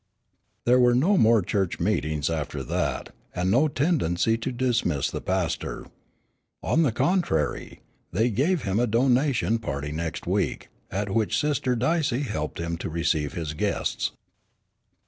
There were no more church meetings after that, and no tendency to dismiss the pastor. On the contrary, they gave him a donation party next week, at which Sister Dicey helped him to receive his guests.